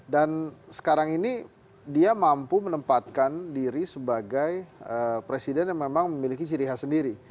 dan sekarang ini dia mampu menempatkan diri sebagai presiden yang memang memiliki ciri khas sendiri